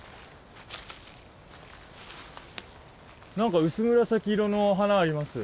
何か薄紫色の花あります。